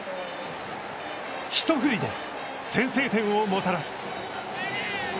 一振りで先制点をもたらす。